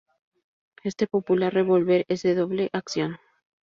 Este popular revólver es de Doble Acción.